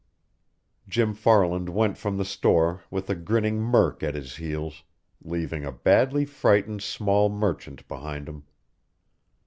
Jim Farland went from the store with a grinning Murk at his heels, leaving a badly frightened small merchant behind him.